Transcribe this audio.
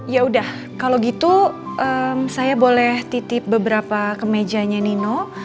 ya udah kalau gitu saya boleh titip beberapa kemejanya nino